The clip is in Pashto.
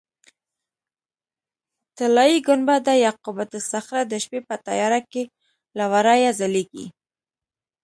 طلایي ګنبده یا قبة الصخره د شپې په تیاره کې له ورایه ځلېږي.